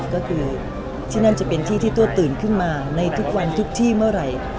ก็คือที่นั่นจะเป็นที่ที่ตัวตื่นขึ้นมาในทุกวันทุกที่เมื่อไหร่